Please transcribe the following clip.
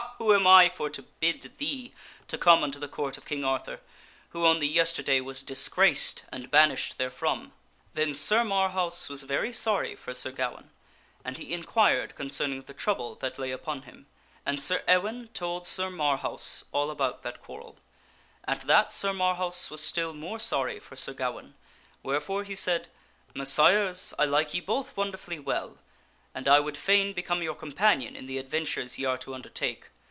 who am I for to bid thee to come unto the Court of King Arthur, who only yesterday was disgraced and banished therefrom ?" Then Sir Marhaus was very sorry for Sir Gawaine, and he inquired concerning the trouble that lay upon him, and Sir Ewaine told Sir Mar haus all about that quarrel ; at that Sir Marhaus was still more sorry for Sir Gawaine, wherefore he said, " Messires, I like ye both wonderfully well, and I would fain become your companion in the adventures ye are to undertake.